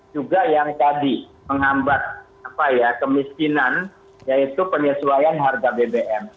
juga yang tadi menghambat kemiskinan yaitu penyesuaian harga bbm